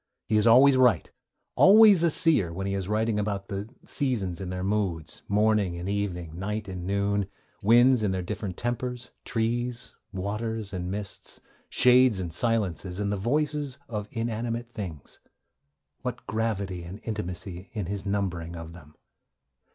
He is always right, always a seer, when he is writing about 'the seasons in their moods, morning and evening, night and noon, winds in their different tempers, trees, waters and mists, shades and silences, and the voices of inanimate things.' (What gravity and intimacy in his numbering of them!)